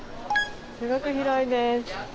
すごく広いです。